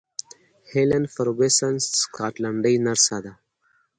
هیلن فرګوسن سکاټلنډۍ نرسه ده.